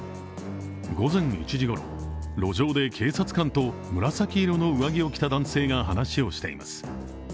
午前１時ごろ、路上で警察官と紫色の上着を着た男性が話をしています。